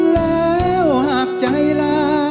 แล้วหากใจลา